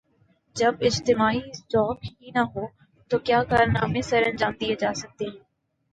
جب اجتماعی ذوق ہی نہ ہو تو کیا کارنامے سرانجام دئیے جا سکتے ہیں۔